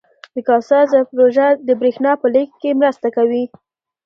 د کاسا زر پروژه د برښنا په لیږد کې مرسته کوي.